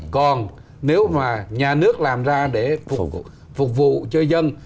còn nếu mà nhà nước làm ra để phục vụ cho dân